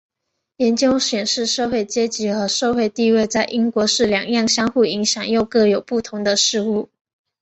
研究显示社会阶级和社会地位在英国是两样相互影响又各有不同的事物。